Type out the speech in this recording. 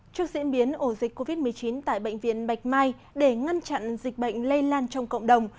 trước diễn biến ổ dịch covid một mươi chín tại bệnh viện bạch mai để ngăn chặn dịch bệnh lây lan trong cộng đồng